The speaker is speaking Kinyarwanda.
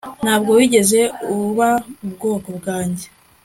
Ntabwo wigeze uba ubwoko bwanjye